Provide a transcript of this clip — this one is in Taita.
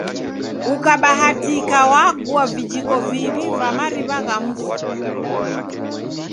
Ukabahatika wagua vijiko viw'i va mariw'a gha mfu.